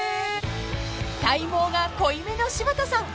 ［体毛が濃いめの柴田さん］